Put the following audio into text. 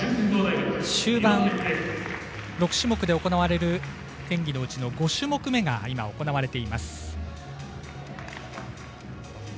終盤６種目で行われる演技のうち５種目が今行われています。